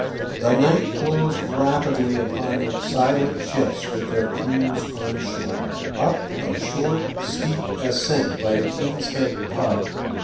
The night closed rapidly upon the silent ships with their crews on shore. Up a short, steep ascent by the King's Head pub.